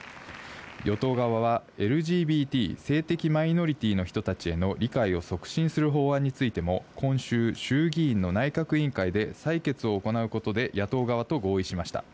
与党側は、ＬＧＢＴ＝性的マイノリティーの人たちへの理解を促進する法案についても、今週、衆議院の内閣委員会で採決を行うことで野党側と合意しました。